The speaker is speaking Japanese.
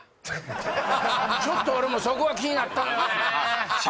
ちょっと俺もそこは気になったんだよね尺